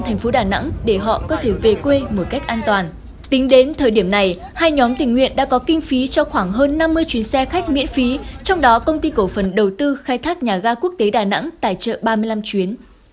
hãy đăng ký kênh để ủng hộ kênh của chúng mình nhé